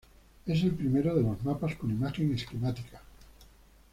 Es el primero de los mapas con imagen esquemática.